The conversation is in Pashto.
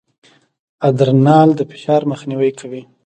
ادرانال د فشار مخنیوی کوي.